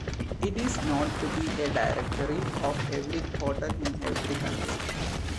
It is not to be a directory of every hotel in every country.